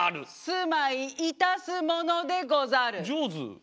「住まいいたすものでござる」。